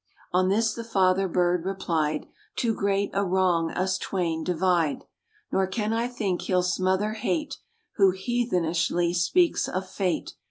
On this the father bird replied "Too great a wrong us twain divide; Nor can I think he'll smother hate, Who heathenishly speaks of Fate.